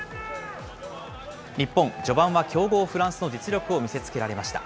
日本、序盤は強豪フランスの実力を見せつけられました。